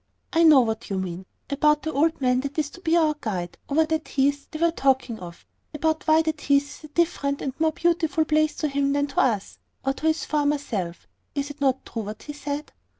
"I know what you mean about the old man that is to be our guide over that heath they were talking of about why that heath is a different and more beautiful place to him than to us, or to his former self. Is it not true, what he said?"